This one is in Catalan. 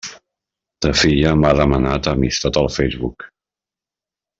Ta filla m'ha demanat amistat al Facebook.